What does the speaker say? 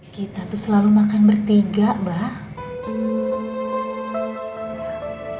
kita tuh selalu makan bertiga mbak